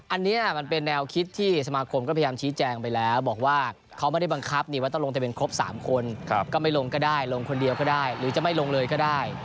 อันนี้มันเป็นแนวคิดที่สมาคมก็พยายามชี้แจงไปแล้วบอกว่าเขาไม่ได้บังคับว่าต้องลงทะเบียนครบ๓คนก็ไม่ลงก็ได้ลงคนเดียวก็ได้หรือจะไม่ลงเลยก็ได้